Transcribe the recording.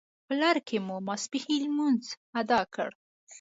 په لړ کې مو ماپښین لمونځ اداء کړ.